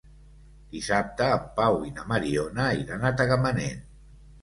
Dissabte en Pau i na Mariona iran a Tagamanent.